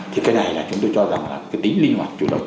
thì cái này là chúng tôi cho rằng là cái tính linh hoạt chủ động